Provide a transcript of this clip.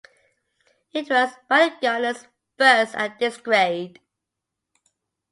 It was Ballygunner's first at this grade.